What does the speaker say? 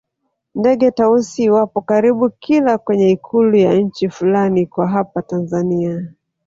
Ndege Tausi wapo karibu kila kwenye ikulu ya nchi fulani kwa hapa tanzania